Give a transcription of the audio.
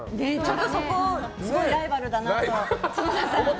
そこ、すごいライバルだなって。